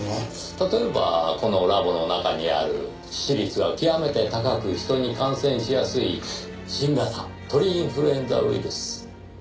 例えばこのラボの中にある致死率が極めて高く人に感染しやすい新型鳥インフルエンザウイルス。